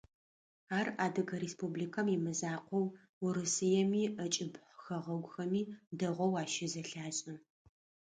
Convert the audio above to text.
Ар Адыгэ Республикэм имызакъоу Урысыеми, ӏэкӏыб хэгъэгухэми дэгъоу ащызэлъашӏэ.